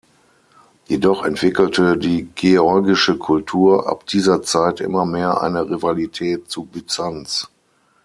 Jedoch entwickelte die georgische Kultur ab dieser Zeit immer mehr eine Rivalität zu Byzanz.